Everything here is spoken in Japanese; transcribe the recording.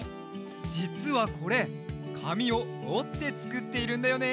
じつはこれかみをおってつくっているんだよね。